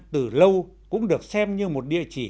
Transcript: từ lâu cũng được xem như một địa chỉ